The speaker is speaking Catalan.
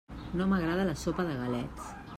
No m'agrada la sopa de galets.